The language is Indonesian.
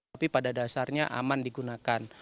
tapi pada dasarnya aman digunakan